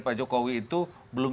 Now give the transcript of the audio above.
pak jokowi itu belum